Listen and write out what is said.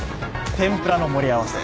天ぷらの盛り合わせ。